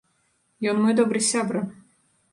Ён мой добры сябра.